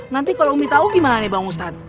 nanti kalau umi tahu gimana nih bang ustadz